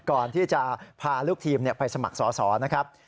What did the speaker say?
ก่อนที่จะพาลูกทีมไปสมัครสอสอนะครับ